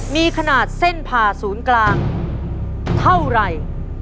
มีขนาดเส้นผ่าศูนย์กลางเท่าไหร่